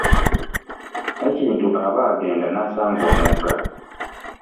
Nakintu aba agenda n'asanga omugga.